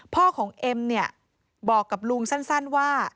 พ่อของเอ็มเนี่ยบอกกับลุงสั้นว่า